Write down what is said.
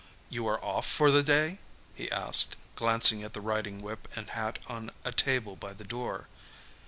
"You are off for the day?" he asked, glancing at the riding whip and hat on a table by the door.